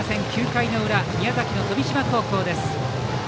９回の裏、宮崎の富島高校です。